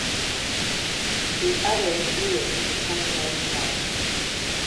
The others view it as a temporary job.